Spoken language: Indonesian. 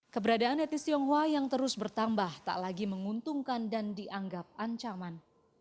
keberadaan etnis tionghoa yang terus bertambah tak lagi menguntungkan dan dianggap ancaman